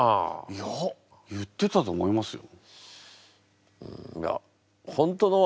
いや言ってたと思いますよ。